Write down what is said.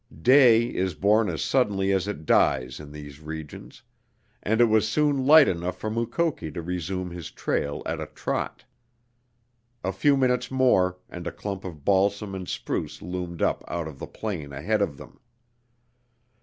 Day is born as suddenly as it dies in these regions, and it was soon light enough for Mukoki to resume his trail at a trot. A few minutes more and a clump of balsam and spruce loomed up out of the plain ahead of them.